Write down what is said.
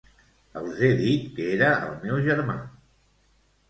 Els he dit que era el meu germà.